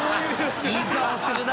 いい顔するな。